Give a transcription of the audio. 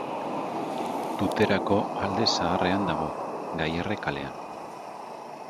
Tuterako Alde Zaharrean dago, Gaiarre kalean.